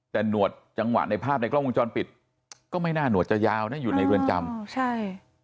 แต่หนวดจังหวะในภาพในกล้องวงจรปิดก็ไม่น่าหนวดจะยาวนะอยู่ในเรือนจำอ๋อใช่